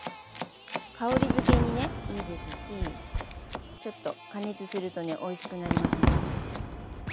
香り付けにねいいですしちょっと加熱するとねおいしくなりますので。